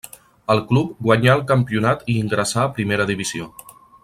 El club guanyà el campionat i ingressà a primera divisió.